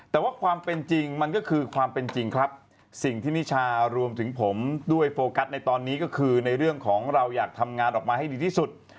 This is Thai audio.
แต่ว่าความเป็นจริงมันก็คือความเป็นจริงครับสิ่งที่นิชารวมถึงผมด้วยโฟกัสในตอนนี้ก็คือในเรื่องของเราอยากทำงานออกมาให้ดีที่สุด